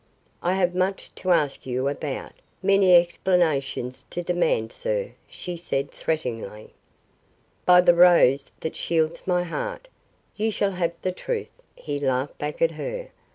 "I have much to ask you about, many explanations to demand, sir," she said threateningly. "By the rose that shields my heart, you shall have the truth," he laughed back at her.